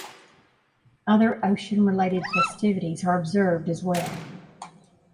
Other ocean-related festivities are observed as well.